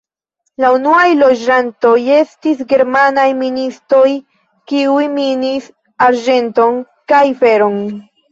La unuaj loĝantoj estis germanaj ministoj, kiuj minis arĝenton kaj feron.